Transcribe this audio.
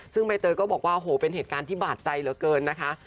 ซึ่งใบเตยก็บอกว่าโหเป็นเหตุการณ์ที่บาดใจเหลือเกินนะคะ